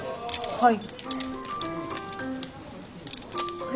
はい。